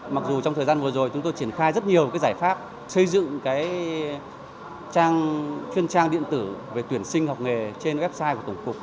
mặc dù trong thời gian vừa rồi chúng tôi triển khai rất nhiều giải pháp xây dựng trang chuyên trang điện tử về tuyển sinh học nghề trên website của tổng cục